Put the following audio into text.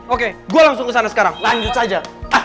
oke gue langsung kesana sekarang lanjut saja